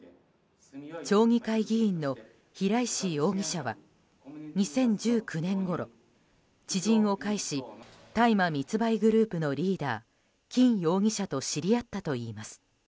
町議会議員の平石容疑者は２０１９年ごろ知人を介し大麻密売グループのリーダー金容疑者と知り合ったといいます。